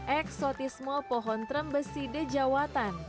eksotisme pohon trembesi dijawatan